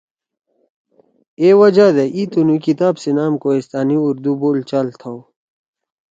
اے وجہ دے ای تُنُو کتاب سی نام ”کوہستانی اردو بول چال“ تھؤ